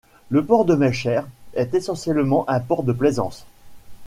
Le port de Meschers est essentiellement un port de plaisance.